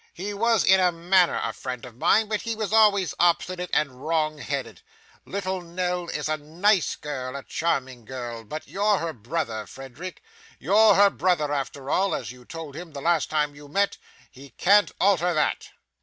He was in a manner a friend of mine, but he was always obstinate and wrong headed. Little Nell is a nice girl, a charming girl, but you're her brother, Frederick. You're her brother after all; as you told him the last time you met, he can't alter that.